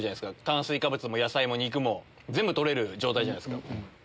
炭水化物も野菜も肉も全部取れる状態じゃないですか。